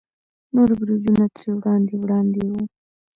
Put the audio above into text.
نور برجونه ترې وړاندې وړاندې وو.